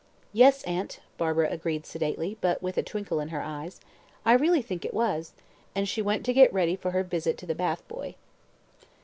"Yes, aunt," Barbara agreed sedately, but with a twinkle in her eyes, "I really think it was," and she went to get ready for her visit to the bath boy.